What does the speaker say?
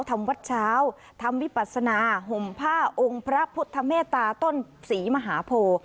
ทำวัดเช้าทำวิปัสนาห่มผ้าองค์พระพุทธเมตตาต้นศรีมหาโพ